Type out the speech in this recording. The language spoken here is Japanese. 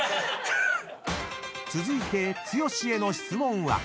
［続いて剛への質問は？］